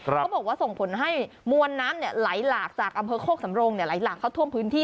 เขาบอกว่าส่งผลให้มวลน้ำไหลหลากจากอำเภอโคกสำรงไหลหลากเข้าท่วมพื้นที่